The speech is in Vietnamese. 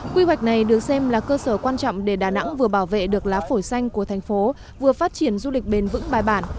quy hoạch này được xem là cơ sở quan trọng để đà nẵng vừa bảo vệ được lá phổi xanh của thành phố vừa phát triển du lịch bền vững bài bản